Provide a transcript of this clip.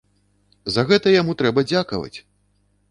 За гэта яму трэба дзякаваць!